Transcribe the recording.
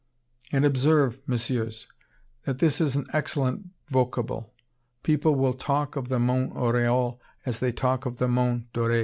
"And observe, Messieurs, that this is an excellent vocable. People will talk of 'the Mont Oriol' as they talk of 'the Mont Doré.'